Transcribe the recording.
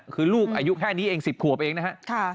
คือลูกอายุแค่นี้เอง๑๐ขวบเองนะฮะ